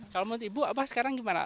kalau menurut ibu abah sekarang gimana